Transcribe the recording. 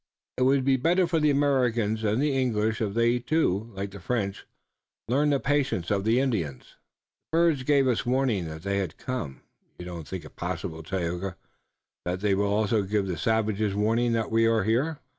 It would be better for the Americans and the English if they, too, like the French, learned the patience of the Indians." "The birds gave us a warning that they had come. You don't think it possible, Tayoga, that they will also give the savages warning that we are here?"